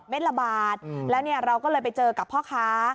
ละบาทแล้วเราก็เลยไปเจอกับพ่อค้า